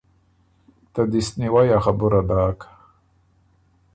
ته دِست نیوئ ا خبُره داک۔